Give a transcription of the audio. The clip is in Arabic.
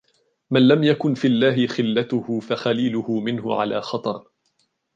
مَنْ لَمْ يَكُنْ فِي اللَّهِ خِلَّتُهُ فَخَلِيلُهُ مِنْهُ عَلَى خَطَرِ